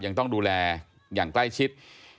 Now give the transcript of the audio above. ยังต้องดูแลอย่างใกล้ชิด